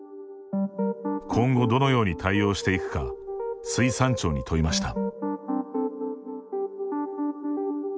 今後、どのように対応していくか水産庁に問いました。